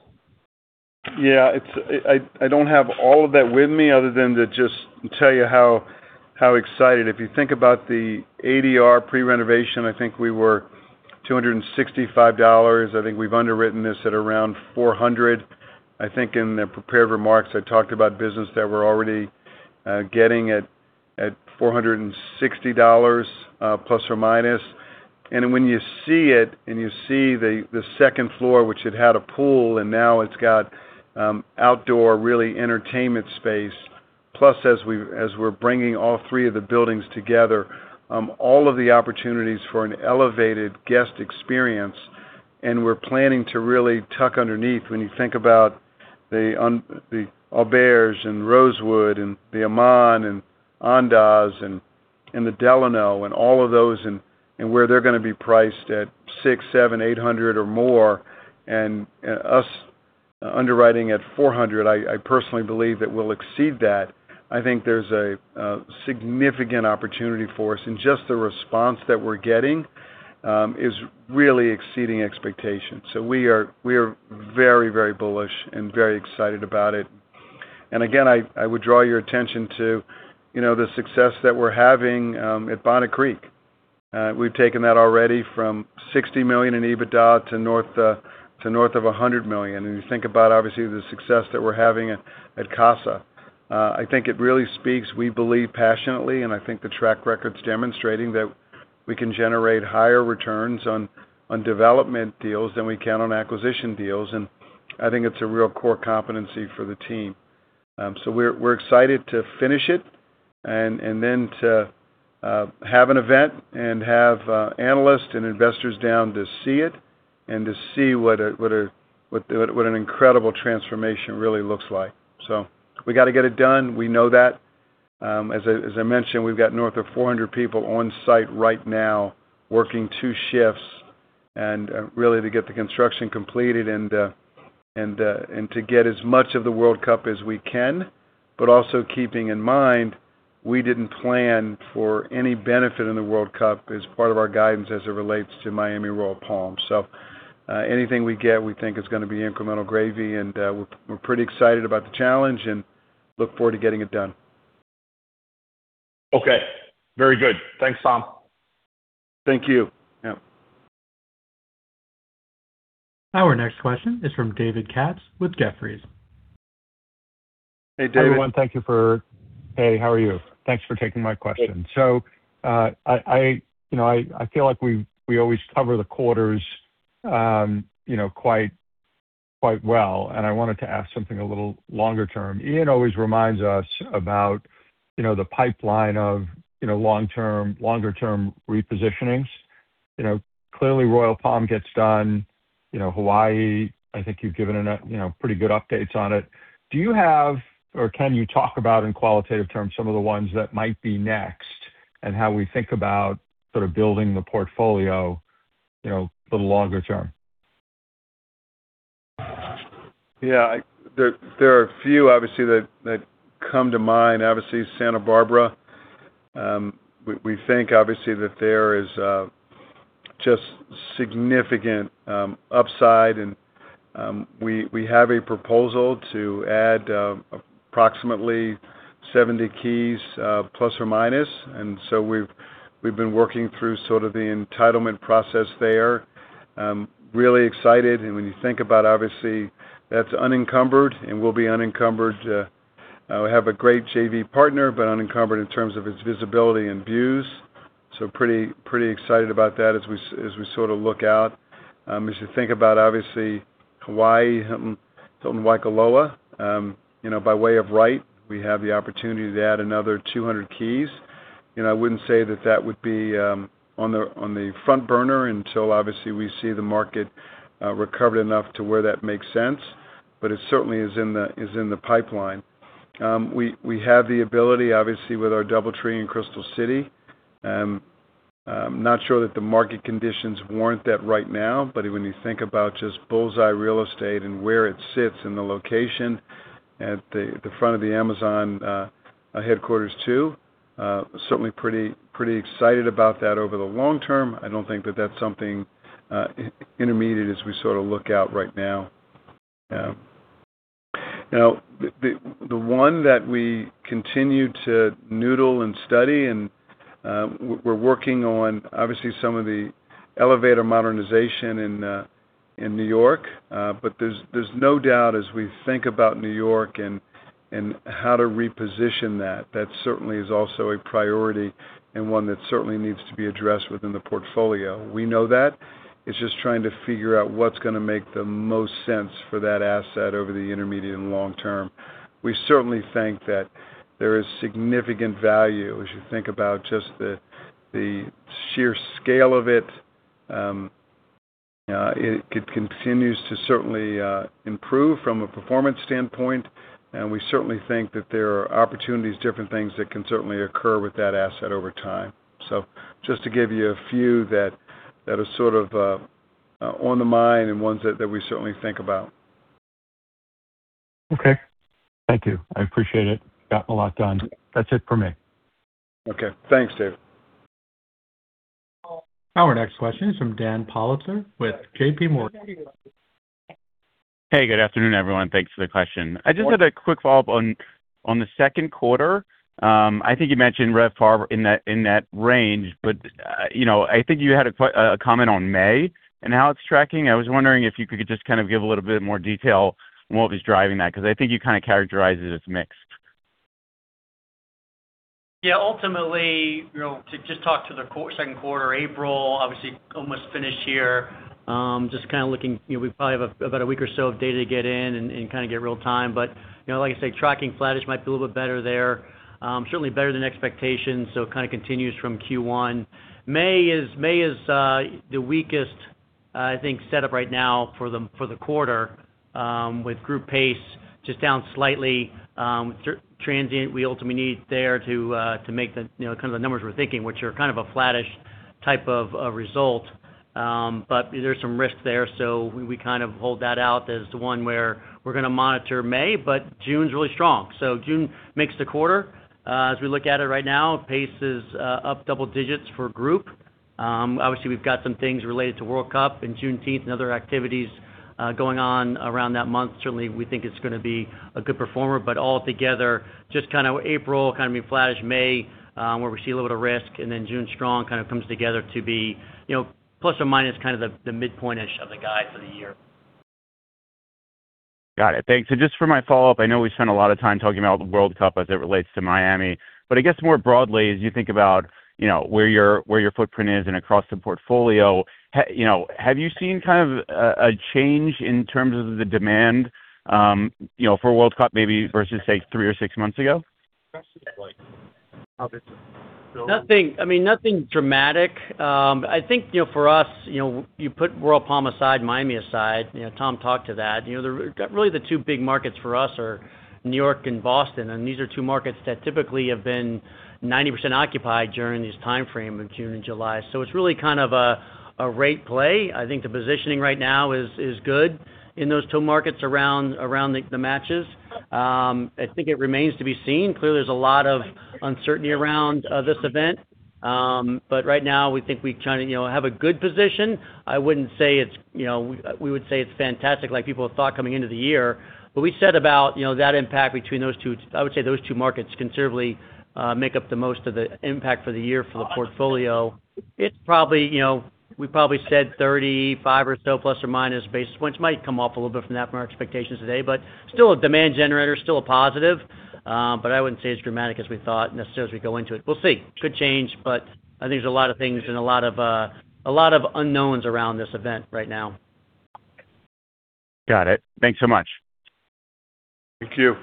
Yeah, it's, I don't have all of that with me other than to just tell you how excited. If you think about the ADR pre-renovation, I think we were $265. I think we've underwritten this at around $400. I think in the prepared remarks, I talked about business that we're already getting at $460±. When you see it and you see the second floor, which it had a pool and now it's got outdoor really entertainment space, plus as we're bringing all three of the buildings together, all of the opportunities for an elevated guest experience, and we're planning to really tuck underneath when you think about the Auberge and Rosewood and the Aman and Andaz and the Delano and all of those and where they're going to be priced at $600, $700, $800 or more. Us underwriting at $400, I personally believe that we'll exceed that. I think there's a significant opportunity for us. Just the response that we're getting, is really exceeding expectations. We are very, very bullish and very excited about it. Again, I would draw your attention to, you know, the success that we're having at Bonnet Creek. We've taken that already from $60 million in EBITDA to north, to north of $100 million. You think about obviously the success that we're having at Casa. I think it really speaks, we believe passionately, and I think the track record's demonstrating that we can generate higher returns on development deals than we can on acquisition deals. I think it's a real core competency for the team. We're excited to finish it and then to have an event and have analysts and investors down to see it and to see what an incredible transformation really looks like. We gotta get it done. We know that. As I, as I mentioned, we've got north of 400 people on site right now working two shifts, and really to get the construction completed and to get as much of the World Cup as we can. Keeping in mind, we didn't plan for any benefit in the World Cup as part of our guidance as it relates to Miami Royal Palm. Anything we get, we think is going to be incremental gravy, and we're pretty excited about the challenge and look forward to getting it done. Okay. Very good. Thanks, Tom. Thank you. Yep. Our next question is from David Katz with Jefferies. Hey, David. Hi, everyone. Hey, how are you? Thanks for taking my question. Good. I, you know, I feel like we always cover the quarters, you know, quite well, and I wanted to ask something a little longer term. Ian always reminds us about, you know, the pipeline of, you know, long-term, longer term repositionings. You know, clearly Royal Palm gets done. You know, Hawaii, I think you've given enough, you know, pretty good updates on it. Do you have, or can you talk about in qualitative terms some of the ones that might be next? How we think about sort of building the portfolio, you know, little longer term. There are a few that come to mind. Santa Barbara. We think there is just significant upside and we have a proposal to add approximately 70 keys, plus or minus. We've been working through sort of the entitlement process there. Really excited. When you think about that's unencumbered and will be unencumbered, we have a great JV partner, but unencumbered in terms of its visibility and views. Pretty excited about that as we sort of look out. As you think about Hawaii, Hilton Waikoloa, you know, by way of right, we have the opportunity to add another 200 keys. You know, I wouldn't say that that would be on the, on the front burner until obviously we see the market recover enough to where that makes sense. It certainly is in the pipeline. We have the ability obviously with our DoubleTree in Crystal City. I'm not sure that the market conditions warrant that right now, but when you think about just bull's eye real estate and where it sits in the location at the front of the Amazon headquarters 2, certainly pretty excited about that over the long term. I don't think that that's something intermediate as we sort of look out right now. Yeah. You know, the, the one that we continue to noodle and study and we're working on obviously some of the elevator modernization in New York. There's, there's no doubt as we think about New York and how to reposition that certainly is also a priority and one that certainly needs to be addressed within the portfolio. We know that. It's just trying to figure out what's going to make the most sense for that asset over the intermediate and long term. We certainly think that there is significant value as you think about just the sheer scale of it. It continues to certainly improve from a performance standpoint. We certainly think that there are opportunities, different things that can certainly occur with that asset over time. Just to give you a few that are sort of, on the mind and ones that we certainly think about. Okay. Thank you. I appreciate it. Gotten a lot done. That's it for me. Okay. Thanks, David. Our next question is from Dan Politzer with JPMorgan. Hey, good afternoon, everyone. Thanks for the question. I just had a quick follow-up on the second quarter. I think you mentioned RevPAR in that range, you know, I think you had a comment on May and how it's tracking. I was wondering if you could just kind of give a little bit more detail on what was driving that, because I think you kind of characterized it as mixed. Yeah, ultimately, you know, to just talk to the second quarter, April, obviously almost finished here. Just kinda looking, you know, we probably have about a week or so of data to get in and kind of get real-time. But, you know, like I say, tracking flattish might be a little bit better there. Certainly better than expectations, so it kinda continues from Q1. May is the weakest, I think setup right now for the quarter, with group pace just down slightly. Transient, we ultimately need there to make the, you know, kind of the numbers we're thinking, which are kind of a flattish type of result. There's some risks there, so we kind of hold that out as the one where we're going to monitor May, but June's really strong. June makes the quarter. As we look at it right now, pace is up double digits for group. Obviously we've got some things related to World Cup and Juneteenth and other activities going on around that month. Certainly, we think it's going to be a good performer. All together, just kind of April kind of be flattish, May, where we see a little bit of risk, and then June strong kind of comes together to be, you know, plus or minus kind of the midpoint-ish of the guide for the year. Got it. Thanks. Just for my follow-up, I know we've spent a lot of time talking about World Cup as it relates to Miami, but I guess more broadly, as you think about, you know, where your footprint is and across the portfolio, have you seen kind of a change in terms of the demand, you know, for World Cup maybe versus, say, three or six months ago? Nothing. I mean, nothing dramatic. I think, you know, for us, you know, you put Royal Palm aside, Miami aside, you know, Tom talked to that. Really the two big markets for us are New York and Boston, and these are two markets that typically have been 90% occupied during this timeframe of June and July. It's really kind of a rate play. I think the positioning right now is good in those two markets around the matches. I think it remains to be seen. Clearly, there's a lot of uncertainty around this event. Right now we think we kind of, you know, have a good position. I wouldn't say it's, you know, we would say it's fantastic like people thought coming into the year. We said about, you know, that impact between those two. I would say those two markets considerably make up the most of the impact for the year for the portfolio. It's probably, you know, we probably said 35 or so plus or minus basis, which might come off a little bit from that from our expectations today, but still a demand generator, still a positive. I wouldn't say it's dramatic as we thought necessarily as we go into it. We'll see. Could change, but I think there's a lot of things and a lot of unknowns around this event right now. Got it. Thanks so much. Thank you.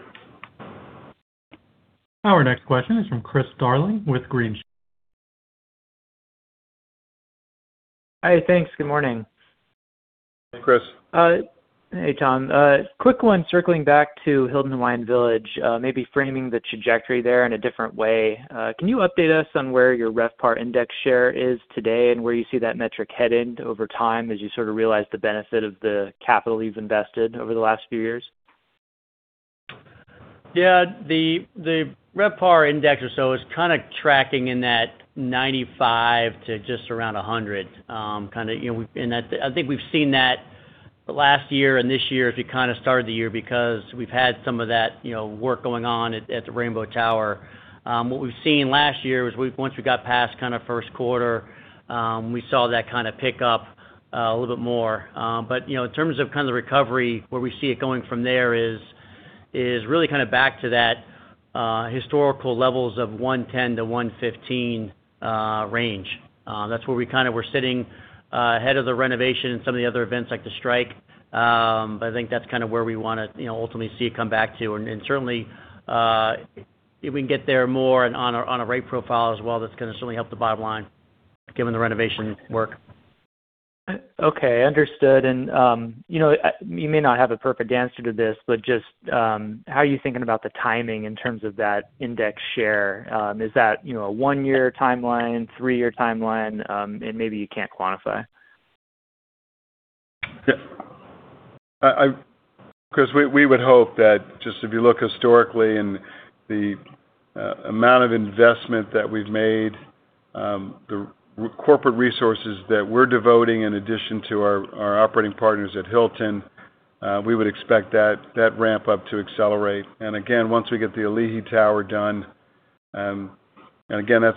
Our next question is from Chris Darling with Green Street. Hi, thanks. Good morning. Chris. Hey, Tom. Quick one, circling back to Hilton Hawaiian Village, maybe framing the trajectory there in a different way. Can you update us on where your RevPAR index share is today and where you see that metric heading over time as you sort of realize the benefit of the capital you've invested over the last few years? The RevPAR index or so is kinda tracking in that 95-100, kinda, you know, I think we've seen that last year and this year if you kinda started the year, because we've had some of that, you know, work going on at the Rainbow Tower. What we've seen last year was once we got past kinda first quarter, we saw that kinda pick up a little bit more. You know, in terms of kinda the recovery, where we see it going from there is really kinda back to that historical levels of 110-115 range. That's where we kinda were sitting ahead of the renovation and some of the other events like the strike. I think that's kinda where we want to, you know, ultimately see it come back to. Certainly, if we can get there more and on a rate profile as well, that's going to certainly help the bottom line given the renovation work. Okay, understood. You know, you may not have a perfect answer to this, but just how are you thinking about the timing in terms of that index share? Is that, you know, a one-year timeline, three-year timeline, and maybe you can't quantify? Because we would hope that just if you look historically and the amount of investment that we've made, the corporate resources that we're devoting in addition to our operating partners at Hilton, we would expect that ramp up to accelerate. Again, once we get the Ali'i Tower done, and again, that's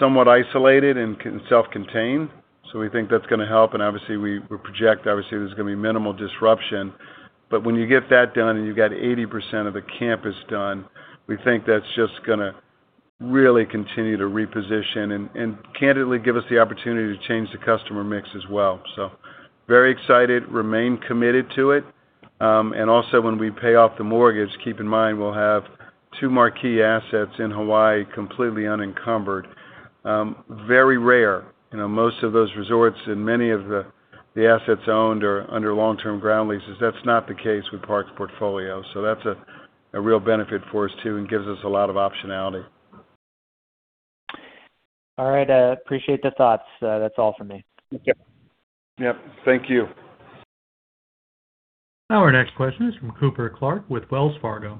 somewhat isolated and self-contained, so we think that's going to help, and obviously we project, obviously, there's going to be minimal disruption. When you get that done and you've got 80% of the campus done, we think that's just going to really continue to reposition and candidly give us the opportunity to change the customer mix as well. Very excited, remain committed to it. When we pay off the mortgage, keep in mind we'll have two marquee assets in Hawaii completely unencumbered. Very rare. You know, most of those resorts and many of the assets owned are under long-term ground leases. That's not the case with Park's portfolio. That's a real benefit for us too, and gives us a lot of optionality. All right, appreciate the thoughts. That's all for me. Yep. Yep. Thank you. Our next question is from Cooper Clark with Wells Fargo.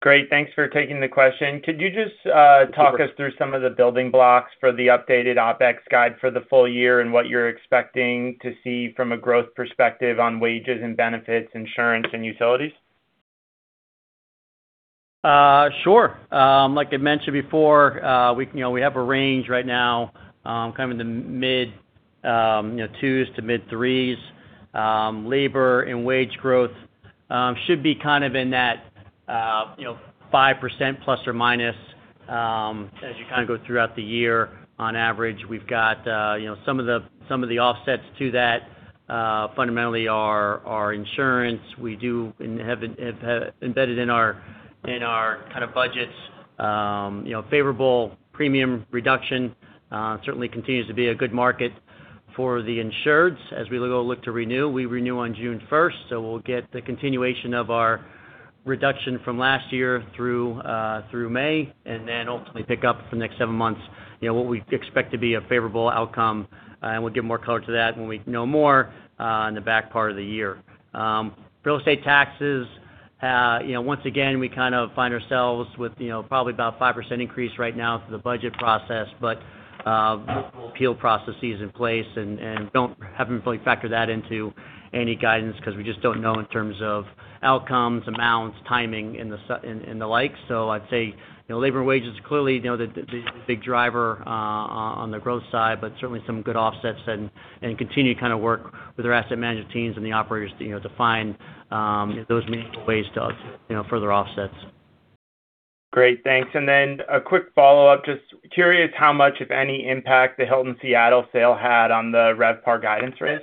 Great. Thanks for taking the question. Could you just. Sure talk us through some of the building blocks for the updated OpEx guide for the full year and what you're expecting to see from a growth perspective on wages and benefits, insurance, and utilities? Sure. Like I mentioned before, we have a range right now, kind of in the mid twos to mid threes. Labor and wage growth should be kind of in that 5%± as you kind of go throughout the year on average. We've got some of the offsets to that fundamentally are insurance. We do and have embedded in our kind of budgets, favorable premium reduction, certainly continues to be a good market for the insureds as we look to renew. We renew on June first, so we'll get the continuation of our reduction from last year through May, and then ultimately pick up for the next seven months, you know, what we expect to be a favorable outcome, and we'll give more color to that when we know more in the back part of the year. Real estate taxes, you know, once again, we kind of find ourselves with, you know, probably about 5% increase right now through the budget process, but multiple appeal processes in place and haven't really factored that into any guidance because we just don't know in terms of outcomes, amounts, timing and the like. I'd say, you know, labor and wages clearly, you know, the big driver on the growth side, but certainly some good offsets and continue to kinda work with our asset management teams and the operators, you know, to find those meaningful ways to offset, you know, further offsets. Great. Thanks. A quick follow-up. Just curious how much, if any, impact the Hilton Seattle sale had on the RevPAR guidance raise.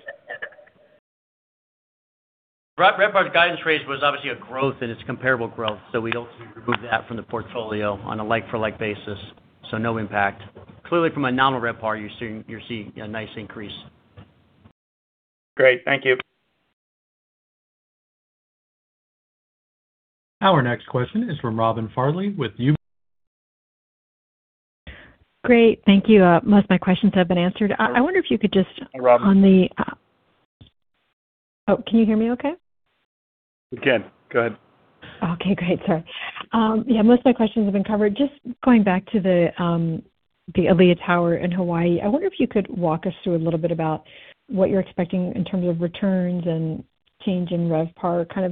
RevPAR guidance raise was obviously a growth. It's comparable growth. We'd hopefully remove that from the portfolio on a like for like basis, so no impact. Clearly, from a nominal RevPAR, you're seeing a nice increase. Great. Thank you. Our next question is from Robin Farley with UBS. Great. Thank you. Most of my questions have been answered. I wonder if you could. Hi, Robin.... on the... Oh, can you hear me okay? We can. Go ahead. Okay, great. Sorry. Yeah, most of my questions have been covered. Just going back to the Ali'i Tower in Hawaii, I wonder if you could walk us through a little bit about what you're expecting in terms of returns and change in RevPAR, kind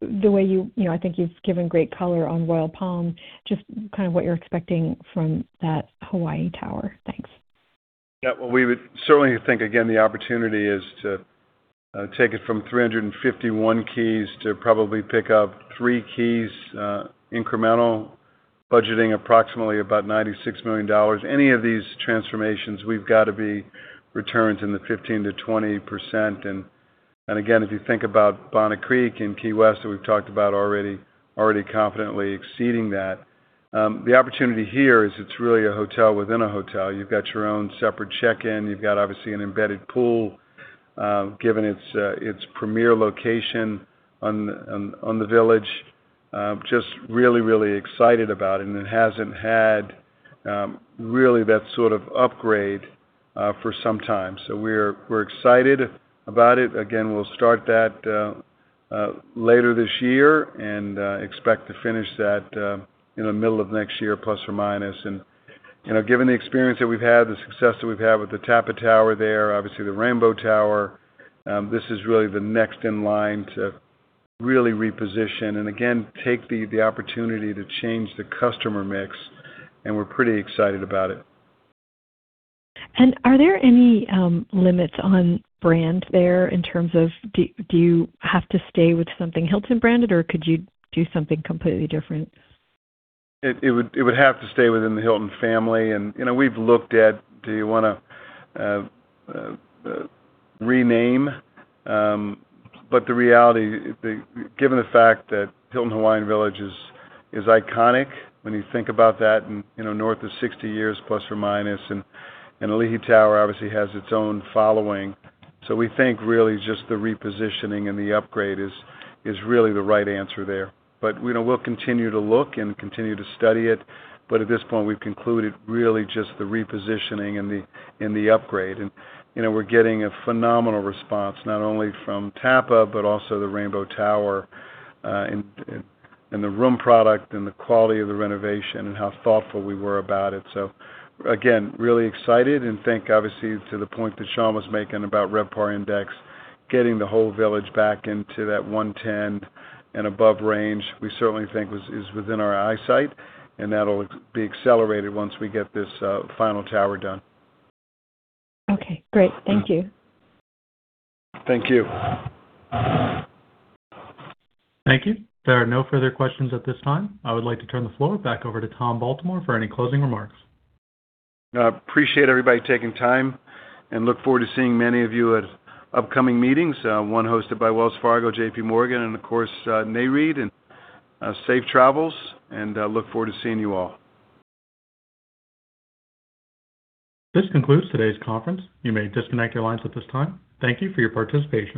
of the way you know, I think you've given great color on Royal Palm, just kind of what you're expecting from that Hawaii tower. Thanks. Well, we would certainly think, again, the opportunity is to take it from 351 keys to probably pick up three keys incremental, budgeting approximately about $96 million. Any of these transformations, we've got to be returns in the 15%-20%. And again, if you think about Bonnet Creek in Key West that we've talked about already confidently exceeding that, the opportunity here is it's really a hotel within a hotel. You've got your own separate check-in. You've got, obviously, an embedded pool, given its premier location on the Village. Just really, really excited about it, and it hasn't had really that sort of upgrade for some time. We're excited about it. We'll start that later this year and expect to finish that in the middle of next year plus or minus. You know, given the experience that we've had, the success that we've had with the Tapa Tower there, obviously the Rainbow Tower, this is really the next in line to really reposition and again, take the opportunity to change the customer mix. We're pretty excited about it. Are there any limits on brand there in terms of do you have to stay with something Hilton branded or could you do something completely different? It would have to stay within the Hilton family and, you know, we've looked at do you want to rename? The reality, given the fact that Hilton Hawaiian Village is iconic when you think about that and, you know, north of 60 years plus or minus, Ali'i Tower obviously has its own following. We think really just the repositioning and the upgrade is really the right answer there. You know, we'll continue to look and continue to study it, but at this point we've concluded really just the repositioning and the upgrade. You know, we're getting a phenomenal response not only from Tapa but also the Rainbow Tower, in the room product and the quality of the renovation and how thoughtful we were about it. Again, really excited and think obviously to the point that Sean was making about RevPAR index, getting the whole village back into that 110 and above range, we certainly think is within our eyesight and that'll be accelerated once we get this final tower done. Okay, great. Thank you. Thank you. Thank you. There are no further questions at this time. I would like to turn the floor back over to Tom Baltimore for any closing remarks. Appreciate everybody taking time and look forward to seeing many of you at upcoming meetings, one hosted by Wells Fargo, JPMorgan, and of course, Nareit. Safe travels, and I look forward to seeing you all. This concludes today's conference. You may disconnect your lines at this time. Thank you for your participation.